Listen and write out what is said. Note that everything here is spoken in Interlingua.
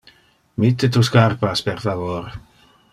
Mitte tu scarpas, per favor.